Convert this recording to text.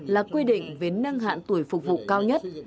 là quy định về nâng hạn tuổi phục vụ cao nhất